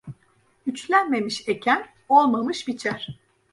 Üçlenmemiş eken, olmamış biçer.